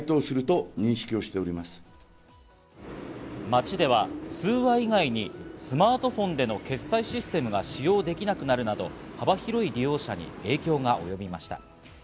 街では通話以外に、スマートフォンでの決済システムが使用できなくなるなど、幅広い利用者に影響が及びました。